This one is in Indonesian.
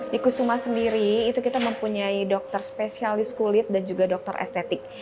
di kusuma sendiri itu kita mempunyai dokter spesialis kulit dan juga dokter estetik